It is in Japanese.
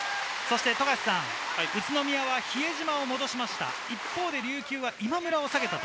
そして宇都宮は比江島を戻しました。